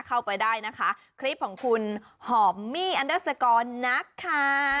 กลับไปนะคะคลิปของคุณหอมมี่อันเดอร์สกอร์นะค่ะ